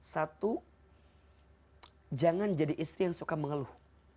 satu jangan jadi istri yang suka mengeluh